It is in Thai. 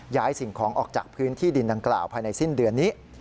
สิ่งของออกจากพื้นที่ดินดังกล่าวภายในสิ้นเดือนนี้